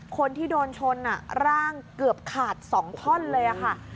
คนที่โดนชนร่างเกือบขาด๒ท่อนเลยค่ะ